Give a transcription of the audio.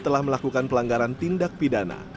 telah melakukan pelanggaran tindak pidana